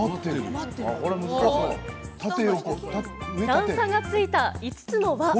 段差がついた５つの輪。